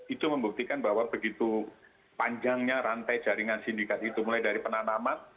itu membuktikan bahwa begitu panjangnya rantai jaringan sindikat itu mulai dari penanaman